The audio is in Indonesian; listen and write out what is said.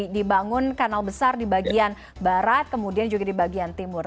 dibangun kanal besar di bagian barat kemudian juga di bagian timur